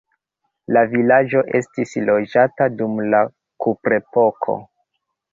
La vilaĝo estis loĝata dum la kuprepoko.